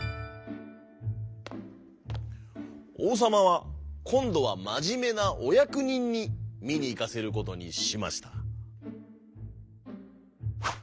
おうさまはこんどはまじめなおやくにんにみにいかせることにしました。